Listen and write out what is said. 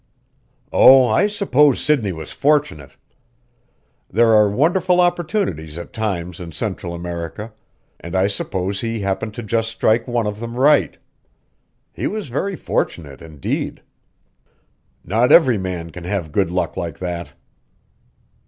"Oh, I suppose Sidney was fortunate. There are wonderful opportunities at times in Central America, and I suppose he happened to just strike one of them right. He was very fortunate, indeed. Not every man can have good luck like that."